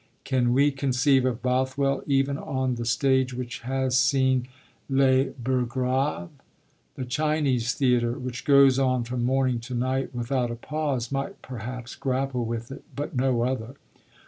Can we conceive of Bothwell even on the stage which has seen Les Burgraves? The Chinese theatre, which goes on from morning to night without a pause, might perhaps grapple with it; but no other.